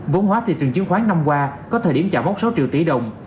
vốn hóa thị trường chứng khoán năm qua có thời điểm trả mốc sáu triệu tỷ đồng